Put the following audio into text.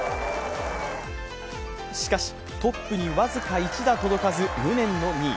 しかし、トップに僅か１打届かず、無念の２位。